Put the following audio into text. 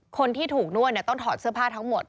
คนที่ถูกนวดต้องถอดเสื้อผ้าทั้งหมด